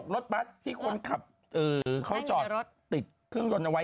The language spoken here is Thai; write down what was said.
แล้วมันยังไง